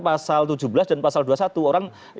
pasal tujuh belas dan pasal dua puluh satu orang